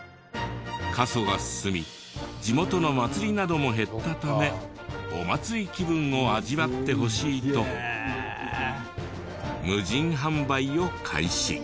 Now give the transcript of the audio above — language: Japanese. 過疎が進み地元の祭りなども減ったためお祭り気分を味わってほしいと無人販売を開始。